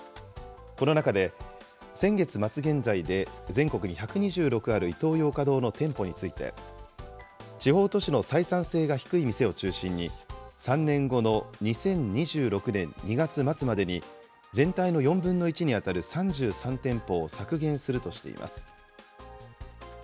この中で、先月末現在で全国に１２６あるイトーヨーカ堂の店舗について、地方都市の採算性が低い店を中心に、３年後の２０２６年２月末までに、全体の４分の１に当たる３３店舗を削減するとしています。